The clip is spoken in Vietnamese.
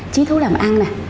trí thú làm ăn